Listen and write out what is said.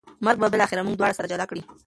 مرګ به بالاخره موږ دواړه سره جلا کړي